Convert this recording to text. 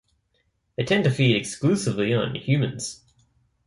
They tend to feed exclusively on humans.